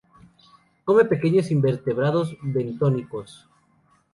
Come pequeños invertebrados bentónicos.